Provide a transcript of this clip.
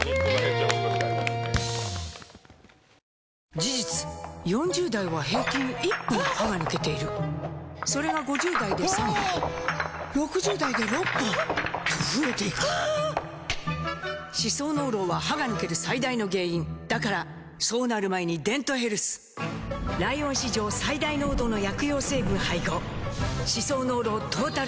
事実４０代は平均１本歯が抜けているそれが５０代で３本６０代で６本と増えていく歯槽膿漏は歯が抜ける最大の原因だからそうなる前に「デントヘルス」ライオン史上最大濃度の薬用成分配合歯槽膿漏トータルケア！